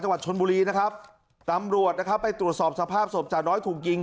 วัดชนบุรีนะครับตำรวจนะครับไปตรวจสอบสภาพศพจาน้อยถูกยิง